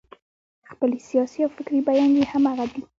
خپلې سیاسي او فکري بیانیې همغه دي.